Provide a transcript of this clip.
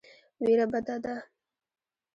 وېره بده ده.